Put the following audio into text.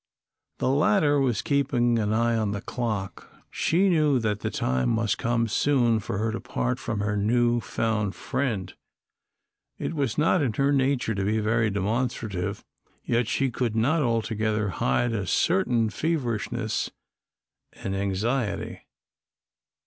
The latter was keeping an eye on the clock. She knew that the time must soon come for her to part from her new found friend. It was not in her nature to be very demonstrative, yet she could not altogether hide a certain feverishness and anxiety.